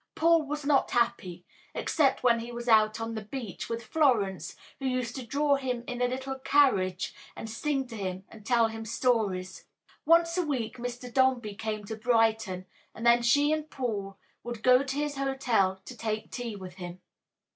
Paul was not happy except when he was out on the beach with Florence, who used to draw him in a little carriage and sing to him and tell him stories. Once a week Mr. Dombey came to Brighton and then she and little Paul would go to his hotel to take tea with him.